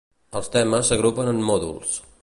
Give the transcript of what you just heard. Els temes s'agrupen en mòduls.